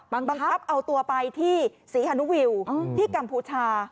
บังคับเอาตัวไปที่ศรีฮานุวิวที่กัมพูชา